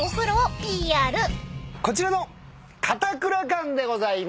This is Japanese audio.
こちらの片倉館でございます。